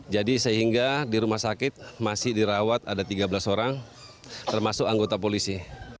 jadi sehingga di rumah sakit masih dirawat ada tiga belas orang termasuk anggota polisi